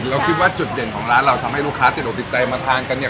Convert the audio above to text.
เราคิดว่าจุดเด่นของร้านเราทำให้ลูกค้าติดอกติดใจมาทานกันเนี่ย